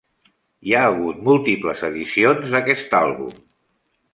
Hi ha hagut múltiples edicions d'aquest àlbum.